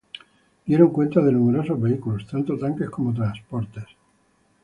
Dieron cuenta de numerosos vehículos, tanto tanques como transportes.